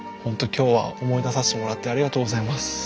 今日は思い出させてもらってありがとうございます。